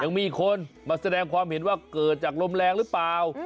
มีคนมาแสดงความเห็นว่าเกิดจากลมแรงหรือเปล่า